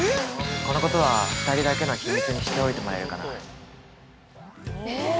このことは、２人だけの秘密にしておいてもらえるかな。